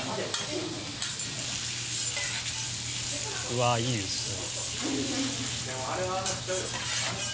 うわあいいですね。